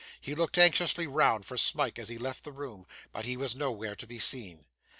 He looked anxiously round for Smike, as he left the room, but he was nowhere to be seen.